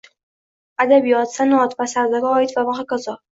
adabiyot, sanoat va savdoga oid va hokazo.